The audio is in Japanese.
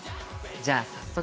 じゃあ早速。